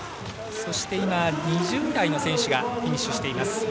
そして、２０位台の選手がフィニッシュしています。